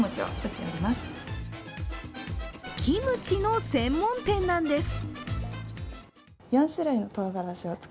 キムチの専門店なんです。